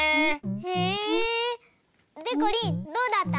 へえ！でこりんどうだった？